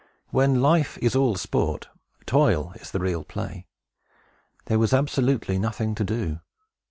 When life is all sport, toil is the real play. There was absolutely nothing to do.